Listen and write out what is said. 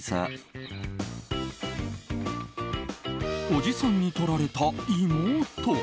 おじさんにとられた妹。